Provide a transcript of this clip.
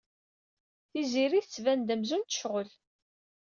Tiziri tettban-d amzun tecɣel.